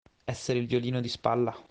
Essere il violino di spalla.